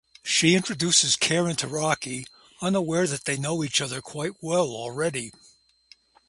She introduces Karan to Rocky, unaware that they know each other quite well already!